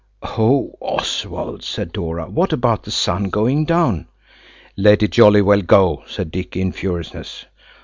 "Oh, Oswald," said Dora, "what about the sun going down?" "Let it jolly well go," said Dicky in furiousness.